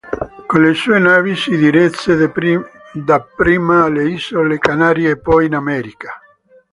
Con le sue navi si diresse dapprima alle Isole Canarie e poi in America.